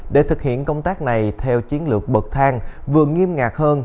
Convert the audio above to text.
để thực hiện công tác này theo chiến lược bật thang vừa nghiêm ngạc hơn